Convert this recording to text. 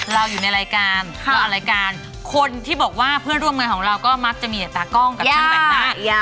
เราอยู่ในรายการเราออกรายการคนที่บอกว่าเพื่อนร่วมงานของเราก็มักจะมีแต่ตากล้องกับช่างแต่งหน้า